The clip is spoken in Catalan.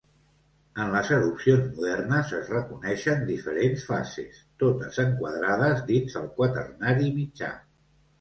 En les erupcions modernes es reconeixen diferents fases, totes enquadrades dins el Quaternari mitjà.